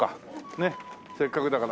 ねっせっかくだから。